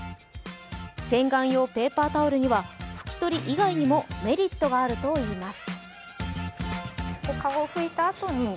洗顔専用ペーパータオルには拭き取り以外にもメリットがあるといいます。